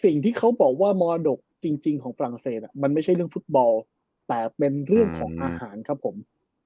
ซึ่งที่เขาบอกว่ามันไม่ใช่เรื่องฟุตบอลแต่เป็นเรื่องของอาหารครับผม